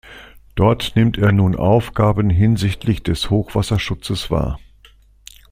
Dort nimmt er nur Aufgaben hinsichtlich des Hochwasserschutzes wahr.